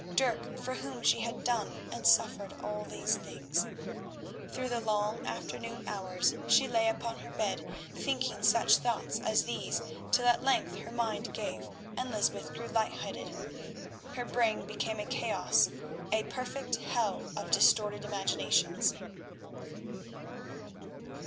Dirk, for whom she had done and suffered all these things. Through the long afternoon hours she lay upon her bed thinking such thoughts as these till at length her mind gave and Lysbeth grew light headed. Her brain became a chaos, a perfect hell of distorted imaginations.